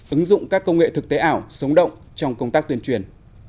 ứng dụng các công nghệ thực tế ảo sống động trong công tác tuyên truyền